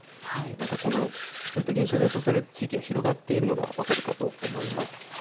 またそういった現象が予想される地域が広がっているのが分かるかと思います。